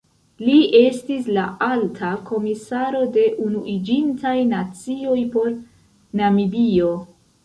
Li estis la Alta Komisaro de Unuiĝintaj Nacioj por Namibio.